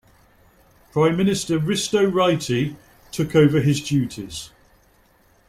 Prime Minister Risto Ryti took over his duties.